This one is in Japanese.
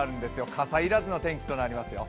傘いらずの天気となりますよ。